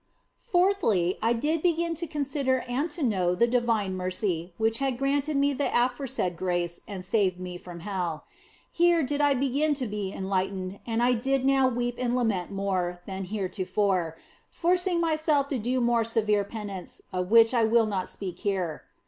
Fourthly, I did begin to consider and to know the divine mercy which had granted me the aforesaid grace and saved me from hell. Here did I begin to be en lightened and I did now weep and lament more than heretofore, forcing myself to do more severe penance, of the which I will not speak here.